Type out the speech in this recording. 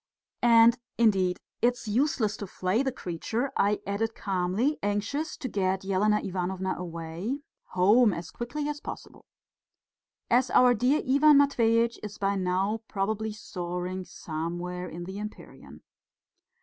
"And, indeed, it's useless to flay the creature," I added calmly, anxious to get Elena Ivanovna away home as quickly as possible, "as our dear Ivan Matveitch is by now probably soaring somewhere in the empyrean."